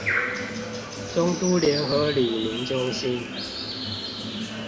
中都聯合里民中心